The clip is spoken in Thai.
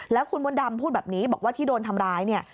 แล้วคุณมดดำพูดแบบนี้บอกว่าที่โดนทำร้ายเนี่ย